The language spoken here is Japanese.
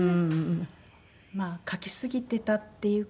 まあ書きすぎていたっていうか。